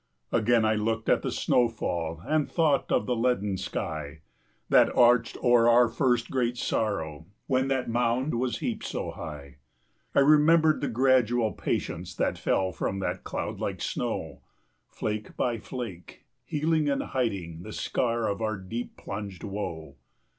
Again I looked at the snow fall, 25 And thought of the leaden sky That arched o'er our first great sorrow, When that mound was heaped so high. I remembered the gradual patience That fell from that cloud like snow, 30 Flake by flake, healing and hiding The scar of our deep plunged woe.